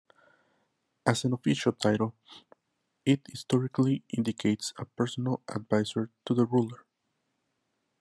As an official title, it historically indicates a personal advisor to the ruler.